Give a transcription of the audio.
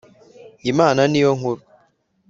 Imana niyonkuru.